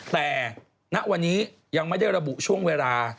แต่ณวันนี้ยังไม่ได้ระบุช่วงเวลา